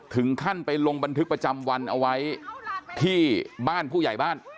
ถึงขั้นไปลงบันทึกประจำวันเอาไว้ที่บ้านผู้ใหญ่บ้าน